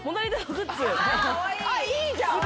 あっいいじゃん。